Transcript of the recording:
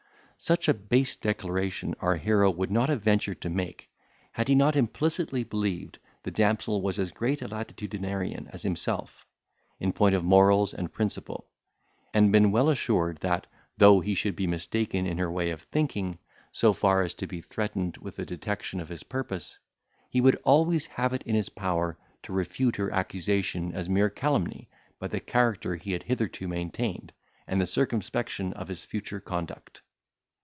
Such a base declaration our hero would not have ventured to make, had he not implicitly believed the damsel was as great a latitudinarian as himself, in point of morals and principle; and been well assured, that, though he should be mistaken in her way of thinking, so far as to be threatened with a detection of his purpose, he would always have it in his power to refute her accusation as mere calumny, by the character he had hitherto maintained, and the circumspection of his future conduct.